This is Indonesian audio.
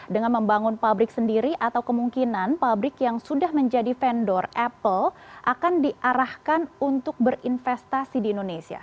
dengan membangun pabrik sendiri atau kemungkinan pabrik yang sudah menjadi vendor apple akan diarahkan untuk berinvestasi di indonesia